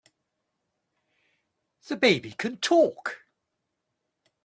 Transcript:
The baby can TALK!